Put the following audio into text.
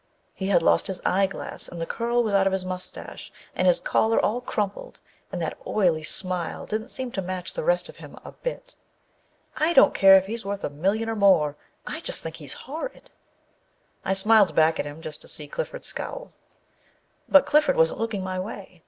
He had lost his eyeglass and the curl was out of his mustache and his collar all crumpled, and that oily smile didn't seem to match the rest of him a bit. I don't care if he is worth a million or more, I just think he's horrid! I smiled back at him just to see Clifford scowl. But Clifford wasn't looking my way.